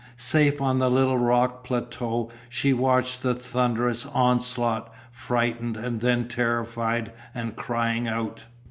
Safe on the little rock plateau she watched the thunderous onslaught, frightened and then terrified and crying out.